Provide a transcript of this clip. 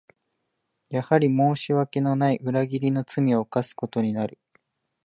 やはり申し訳のない裏切りの罪を犯すことになる